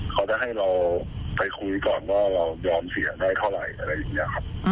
เขาจะให้เราไปคุยก่อนว่าเรายอมเสียได้เท่าไหร่อะไรอย่างนี้ครับ